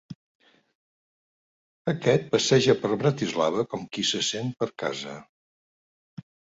Aquest passeja per Bratislava com qui se sent per casa.